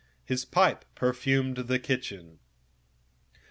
His pipe perfumed the whole kitchen.